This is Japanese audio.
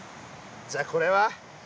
じゃあこれは？